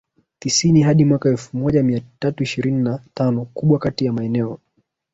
tisini hadi mwaka elfu moja mia tatu ishirini na tanoKubwa kati ya maeneo